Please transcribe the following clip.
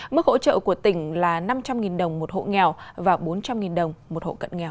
mức hỗ trợ của tỉnh là năm trăm linh đồng một hộ nghèo và bốn trăm linh đồng một hộ cận nghèo